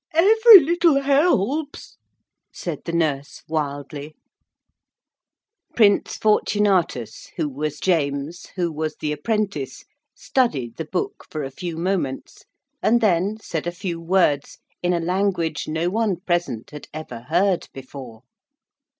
'Every little helps,' said the nurse wildly. Prince Fortunatus, who was James, who was the apprentice, studied the book for a few moments, and then said a few words in a language no one present had ever heard before.